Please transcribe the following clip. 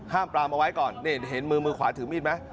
ปลามเอาไว้ก่อนนี่เห็นมือมือขวาถือมีดไหม